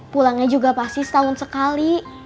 pulangnya juga pasti setahun sekali